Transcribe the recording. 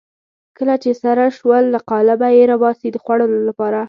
کله چې سره شوه له قالبه یې راباسي د خوړلو لپاره.